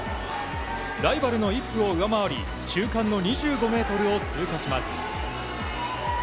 ライバルのイップを上回り中間の２５ｍを通過します。